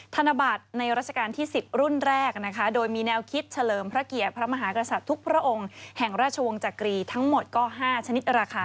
ธนบัตรในราชการที่๑๐รุ่นแรกนะคะโดยมีแนวคิดเฉลิมพระเกียรติพระมหากษัตริย์ทุกพระองค์แห่งราชวงศ์จักรีทั้งหมดก็๕ชนิดราคา